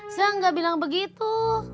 saya enggak bilang begitu